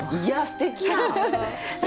すてきやん！